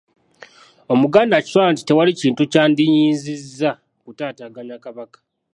Omuganda akitwala nti tewali kintu kyandiyinzizza kutaataaganya Kabaka.